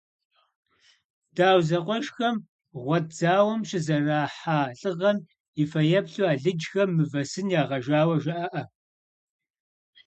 Дау зэкъуэшхэм гъуэт зауэм щызэрахьа лӏыгъэм и фэеплъу алыджхэм мывэ сын ягъэжауэ жаӏэ.